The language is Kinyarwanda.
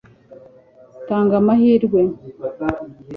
tanga amahirwe